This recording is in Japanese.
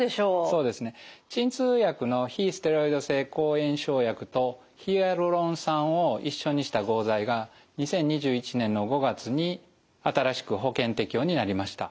そうですね鎮痛薬の非ステロイド性抗炎症薬とヒアルロン酸を一緒にした合剤が２０２１年の５月に新しく保険適用になりました。